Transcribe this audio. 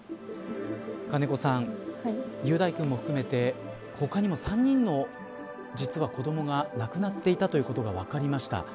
金子さん、雄大君も含めて他にも３人の実は子どもが亡くなっていたということが分かりました。